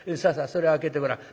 それ開けてごらん」。